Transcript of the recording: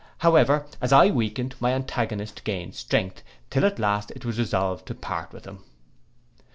However, as I weakened, my antagonist gained strength, till at last it was resolved to part with him.